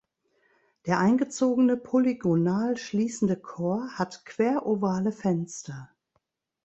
Der eingezogene polygonal schließende Chor hat querovale Fenster.